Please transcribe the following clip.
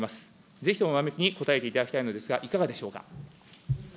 ぜひお答えいただきたいのですが、いかがでしょうか。